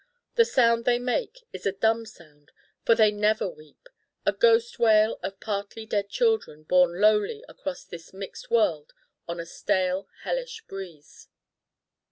The sound they make is a dumb sound, for they never weep: a ghost wail of partly dead children borne lowly across this mixed world on a stale hellish breeze.